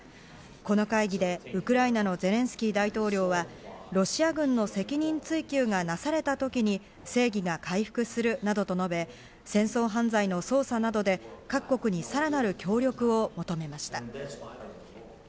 この会議でウクライナのゼレンスキー大統領は、ロシア軍の責任追及がなされた時に正義が回復するなどと述べ、戦争犯罪の捜査などで、各国にさらなる協力を求めました。